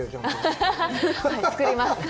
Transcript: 作ります。